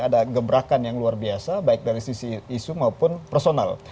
ada gebrakan yang luar biasa baik dari sisi isu maupun personal